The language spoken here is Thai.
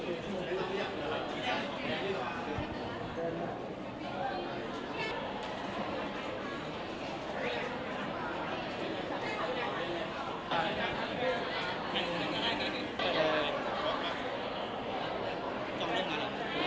ทุกคนที่มีคุณนี้ปล่อยมาบ้างก่อนครับ